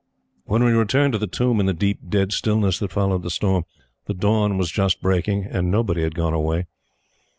When we returned to the tomb in the deep, dead stillness that followed the storm, the dawn was just breaking and nobody had gone away.